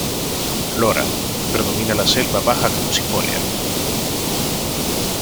Flora: predomina la selva baja caducifolia.